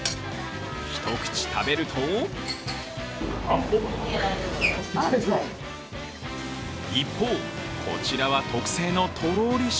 一口食べると一方、こちらは特製のとろり塩